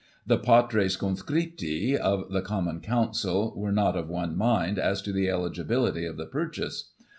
The Patres Conscripii of the Common Council were not of one mind as to the eligibility of the purchase.